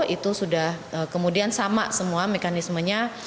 itu sudah kemudian sama semua mekanismenya